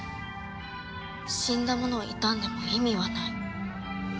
死んだ者を悼んでも意味はない。